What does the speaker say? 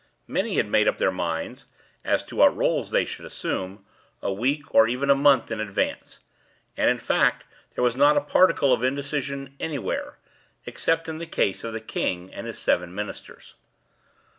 Many had made up their minds (as to what roles they should assume) a week, or even a month, in advance; and, in fact, there was not a particle of indecision anywhere—except in the case of the king and his seven minsters.